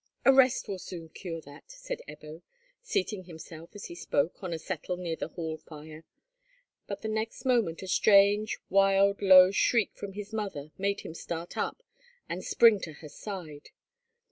"A rest will soon cure that," said Ebbo, seating himself as he spoke on a settle near the hall fire; but the next moment a strange wild low shriek from his mother made him start up and spring to her side.